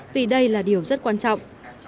vì đây là điều rất quan trọng